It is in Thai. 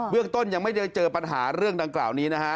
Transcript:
เรื่องต้นยังไม่ได้เจอปัญหาเรื่องดังกล่าวนี้นะฮะ